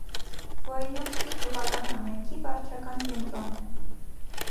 Վոյնովսկի գյուղական համայնքի վարչական կենտրոնն է։